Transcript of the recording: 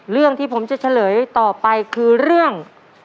เรื่องที่ผมจะเฉลยต่อไปคือเรื่อง